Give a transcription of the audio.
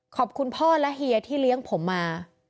ขอบคุณพ่อและเฮียที่เลี้ยงผมมา